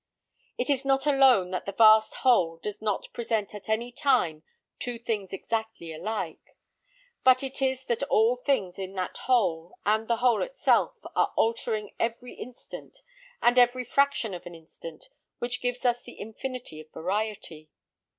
It is not alone that the vast whole does not present at any time two things exactly alike; but it is that all things in that whole, and the whole itself, are altering every instant, and every fraction of an instant, which gives us the infinity of variety.